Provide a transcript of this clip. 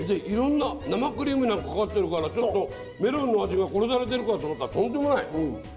いろんな生クリームなんかかかってるからちょっとメロンの味が殺されてるかと思ったらとんでもない。